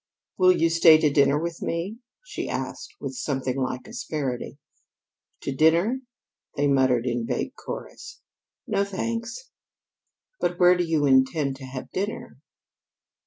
"Will you stay to dinner with me?" she asked with something like asperity. "To dinner?" they murmured in vague chorus. "No, thanks." "But where do you intend to have dinner?"